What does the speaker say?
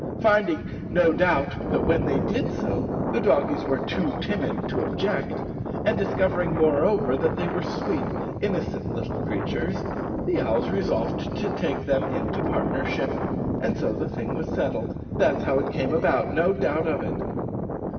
Finding, no doubt, that when they did so the doggies were too timid to object, and discovering, moreover, that they were sweet, innocent little creatures, the owls resolved to take them into partnership, and so the thing was settled that's how it came about, no doubt of it!